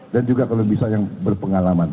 dan juga kalau bisa yang berpengalaman